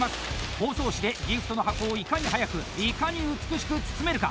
包装紙でギフトの箱をいかに速くいかに美しく包めるか。